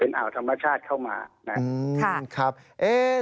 เป็นอ่าวธรรมชาติเข้ามา